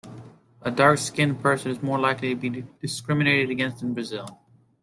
A dark-skinned person is more likely to be discriminated against in Brazil.